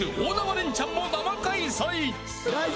レンチャンも生開催！］